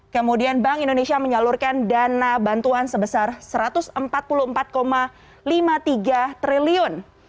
kemudian bank indonesia menyalurkan dana bantuan sebesar rp satu ratus empat puluh empat lima puluh tiga triliun